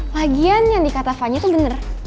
lagian yang dikata fanya tuh bener